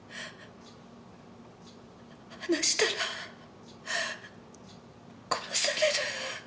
話したら殺される。